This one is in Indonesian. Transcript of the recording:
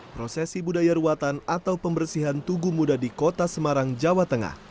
prosesi budaya ruatan atau pembersihan tugu muda di kota semarang jawa tengah